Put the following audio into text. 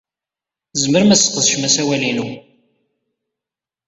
Tzemrem ad tesqedcem asawal-inu.